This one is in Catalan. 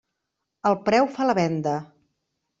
El preu fa la venda.